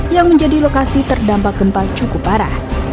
yang menjadi lokasi terdampak gempa cukup parah